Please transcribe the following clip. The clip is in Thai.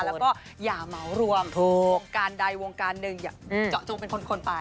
แล้วก็อย่าเหมารวมถูกการใดวงการหนึ่งอย่าเจาะจงเป็นคนไป